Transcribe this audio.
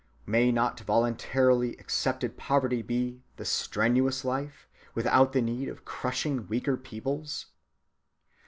May not voluntarily accepted poverty be "the strenuous life," without the need of crushing weaker peoples?